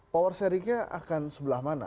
power sharingnya akan sebelah mana